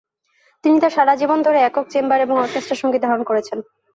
তিনি তার সারা জীবন ধরে একক, চেম্বার, এবং অর্কেস্ট্রার সঙ্গীত ধারণ করেছেন।